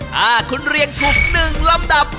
ถ้าคุณเรียงถูก๑ลำดับ